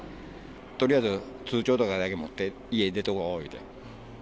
とりあえず通帳とかだけ持って家出とこう言うて。